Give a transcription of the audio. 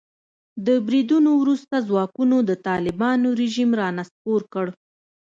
د بریدونو وروسته ځواکونو د طالبانو رژیم را نسکور کړ.